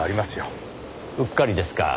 うっかりですか。